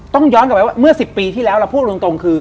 ย้อนกลับไปว่าเมื่อ๑๐ปีที่แล้วเราพูดตรงคือ